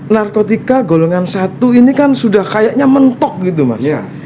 narkotika golongan satu ini kan sudah kayaknya mentok gitu mas